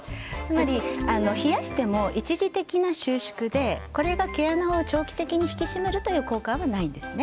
冷やしても一時的な収縮で毛穴を長期的に引き締めるという効果はないんですね。